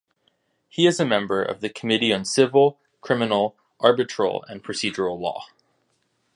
He is a member of the Committee on Civil, Criminal, Arbitral and Procedural Law.